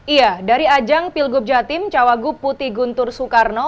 iya dari ajang pilgub jatim cawagup putih guntur soekarno